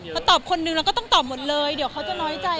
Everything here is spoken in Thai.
พอตอบคนหนึ่งเราก็ต้องตอบหมดเลยเดี๋ยวเขาจะน้อยใจ